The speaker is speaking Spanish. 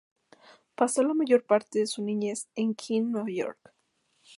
Pasó la mayor parte de su niñez en Queens, Nueva York.